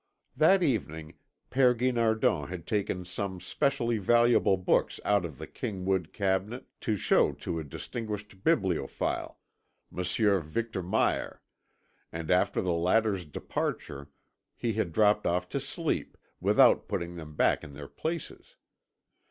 That evening Père Guinardon had taken some specially valuable books out of the king wood cabinet to show to a distinguished bibliophile, Monsieur Victor Meyer, and after the latter's departure he had dropped off to sleep without putting them back in their places.